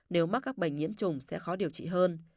nếu mắc các bệnh nhiễm trùng sẽ khó điều trị hơn